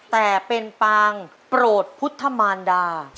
แต่เป็นปางโปรดพุทธมารดา